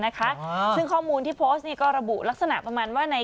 นะคะซึ่งข้อมูลที่โพสต์นี่ก็ระบุลักษณะประมาณว่าใน